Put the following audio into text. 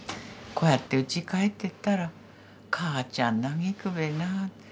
こうやってうち帰ってったら母ちゃん嘆くべな。